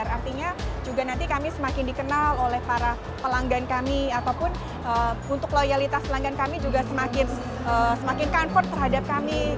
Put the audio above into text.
artinya juga nanti kami semakin dikenal oleh para pelanggan kami ataupun untuk loyalitas pelanggan kami juga semakin comfort terhadap kami